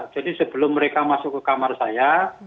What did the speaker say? jadi sebelum mereka masuk ke kamar saya